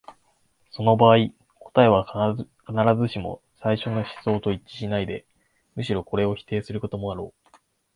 その場合、答えは必ずしも最初の思想と一致しないで、むしろこれを否定することもあろう。